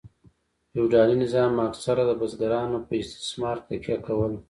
فیوډالي نظام اکثره د بزګرانو په استثمار تکیه کوله.